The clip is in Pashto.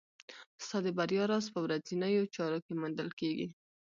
ستا د بریا راز په ورځنیو چارو کې موندل کېږي.